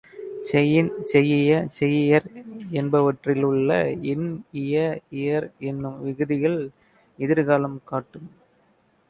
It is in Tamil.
செயின், செய்யிய, செய்யியர் என்பவற்றில் உள்ள இன், இய, இயர் என்னும் விகுதிகள் எதிர் காலம் காட்டும்.